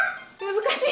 難しいか。